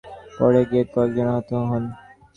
স্কুলের ফটক দিয়ে দ্রুত ঢুকতে গিয়ে পড়ে গিয়ে কয়েকজন আহত হন।